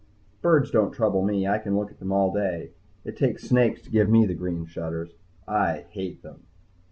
Birds don't trouble me. I can look at them all day. It takes snakes to give me the green shudders. I hate them.